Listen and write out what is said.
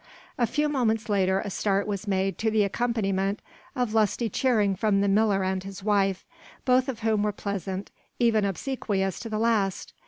A few moments later a start was made to the accompaniment of lusty cheering from the miller and his wife, both of whom were pleasant even obsequious to the last.